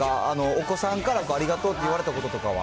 お子さんからありがとうって言われたこととかは？